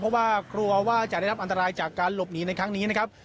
เพราะว่ากลัวว่าจะได้รับอันตรายจากการหลบหนีในครั้งนี้นะครับ